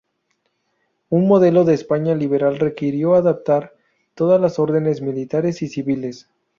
Un modelo de España liberal requirió adaptar todas las órdenes militares y civiles.